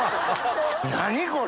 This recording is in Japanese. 何これ！